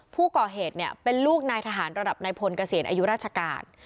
ผู้ก่อเหตุเป็นลูกนายทหารระดับนายพลเกษียณอายุราชการ